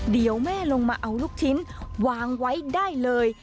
เดี๋ยวแม่ลงมาเอาลูกชิ้นวางไว้ได้เลย